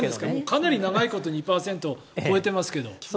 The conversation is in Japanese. かなり長いこと２％超えてますけど。